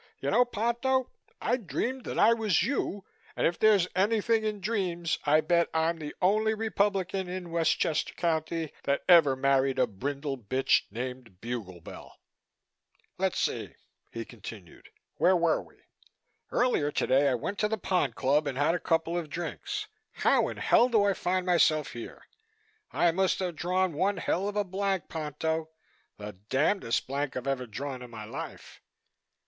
You know, Ponto, I dreamed that I was you and if there's anything in dreams I bet I'm the only Republican in Westchester County that ever married a brindle bitch named Buglebell. "Let's see," he continued. "Where were we? Earlier today I went to the Pond Club and had a couple of drinks. How in hell do I find myself here? I must have drawn one hell of a blank, Ponto, the damndest blank I've ever drawn in my life."